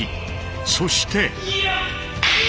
そして。